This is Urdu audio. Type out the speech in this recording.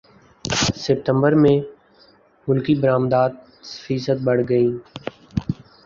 ستمبر میں ملکی برمدات فیصد بڑھ گئیں